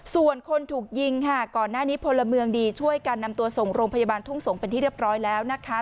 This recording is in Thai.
ส่วนคนถูกยิงค่ะก่อนหน้านี้พลเมืองดีช่วยกันนำตัวส่งโรงพยาบาลทุ่งสงศ์เป็นที่เรียบร้อยแล้วนะคะ